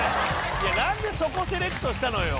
何でそこセレクトしたのよ！